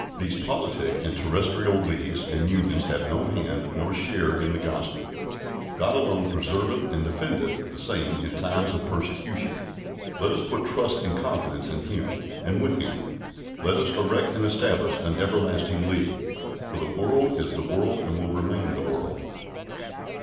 These politic and terrestrial leagues and unions have no hand nor share in the Gospel: God alone preserveth and defendeth the same in times of persecution. Let us put trust and confidence in him, and with him; let us erect and establish an everlasting league, for the world is the world, and will remain the world.